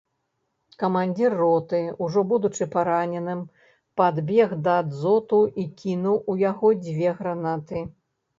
Камандзір роты, ужо будучы параненым, падбег да дзоту, і кінуў у яго дзве гранаты.